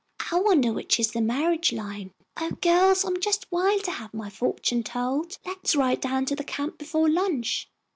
I wonder which is the marriage line. Oh, girls, I'm just wild to have my fortune told. Let's ride down to the camp before lunch."